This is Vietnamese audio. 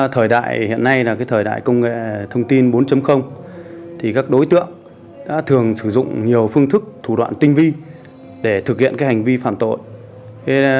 thời đại hiện nay là thời đại công nghệ thông tin bốn đối tượng đã thường sử dụng nhiều phương thức thủ đoạn tinh vi để thực hiện hành vi phạm tội